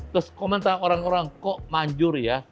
terus komentar orang orang kok manjur ya